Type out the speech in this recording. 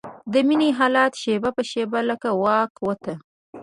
د مينې حالت شېبه په شېبه له واکه وته.